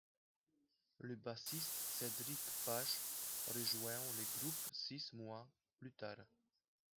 Le bassiste Cédric Pages rejoint le groupe, six mois plus tard.